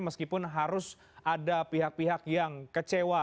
meskipun harus ada pihak pihak yang kecewa